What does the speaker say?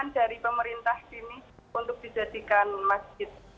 dari pemerintah sini untuk dijadikan masjid